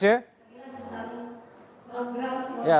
selamat malam mas renhat apa kabar